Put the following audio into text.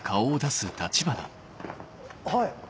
・はい。